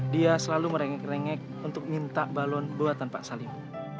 dia selalu merengek rengek untuk minta balon buatan pak salim